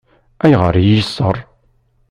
Ayɣer i yi-yeṣṣeṛ?